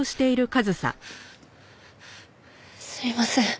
すいません。